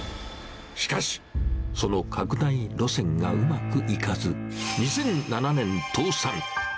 しかし、その拡大路線がうまくいかず、２００７年、倒産。